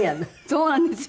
そうなんですよ。